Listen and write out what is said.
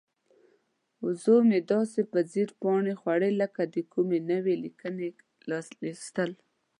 وزه مې داسې په ځیر پاڼې خوري لکه د کومې نوې لیکنې لوستل.